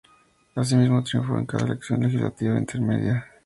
Asimismo, triunfó en cada elección legislativa intermedia.